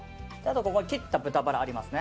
ここに切った豚バラがありますね。